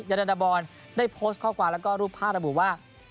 ยันดะบอลได้โพสต์ข้อความและรูปภาพบูรณ์ว่า